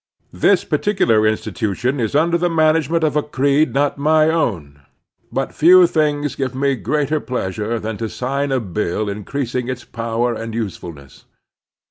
This particular institution is under the management of a creed not my own, but few things gave me greater pleasure than to sign a bill increasing its power and usefulness.